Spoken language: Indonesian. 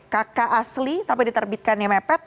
kk asli tapi diterbitkan yang mepet